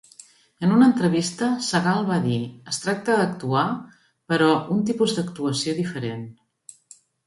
En una entrevista, Sagal va dir: es tracta d'actuar, però un tipus d'actuació diferent.